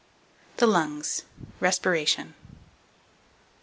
THE LUNGS. RESPIRATION.